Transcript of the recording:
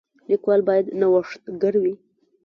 لیکوال باید نوښتګر وي.